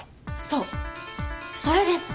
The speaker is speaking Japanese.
そうそれです！